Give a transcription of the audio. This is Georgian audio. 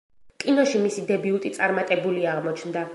კინოში მისი დებიუტი წარმატებული აღმოჩნდა.